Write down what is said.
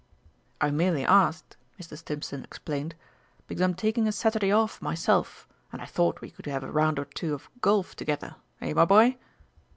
"I merely asked," Mr. Stimpson explained, "because I'm taking a Saturday off myself, and I thought we could have a round or two of golf together, eh, my boy?"